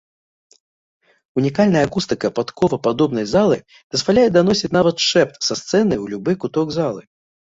Унікальная акустыка падковападобнай залы дазваляе даносіць нават шэпт са сцэны ў любы куток залы.